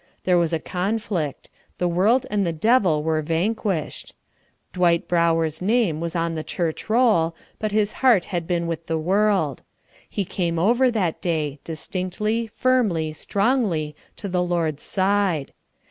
There was a conflict the world and the devil were vanquished. Dwight Brower's name was on the church roll, but his heart had been with the world. He came over that day, distinctly, firmly, strongly, to the Lord's side.